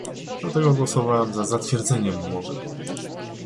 Dlatego głosowałam za zatwierdzeniem umowy